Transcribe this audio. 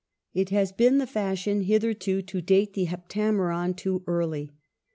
It has been the fashion hitherto to date t ^" Heptameron " too early.